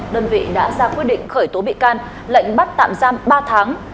đơn vị đã ra quyết định khởi tố bị can lệnh bắt tạm giam ba tháng